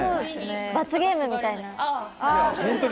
罰ゲームみたいな。